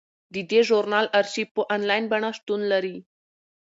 د دې ژورنال ارشیف په انلاین بڼه شتون لري.